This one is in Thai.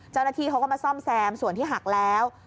เจ้าหน้าที่เขาก็มาซ่อมแซมส่วนที่หักแล้ว